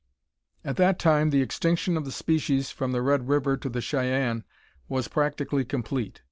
At that time the extinction of the species from the Red River to the Cheyenne was practically complete.